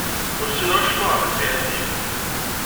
Ur ssineɣ acemma ɣef At Leɛzib.